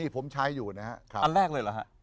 ผมใช้อยู่นะฮะอันแรกเลยเหรอฮะ